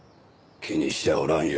気にしちゃおらんよ。